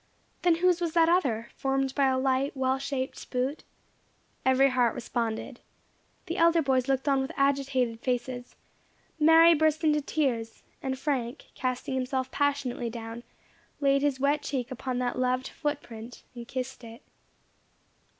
Then whose was that other, formed by a light, well shaped boot? Every heart responded. The elder boys looked on with agitated faces; Mary burst into tears, and Frank, casting himself passionately down, laid his wet cheek upon that loved foot print, and kissed it.